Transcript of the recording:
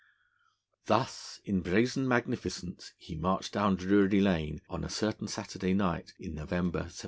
Thus, in brazen magnificence, he marched down Drury Lane on a certain Saturday night in November 1724.